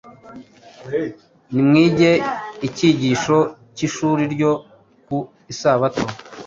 Nimwige icyigisho cy’ishuri ryo ku Isabato,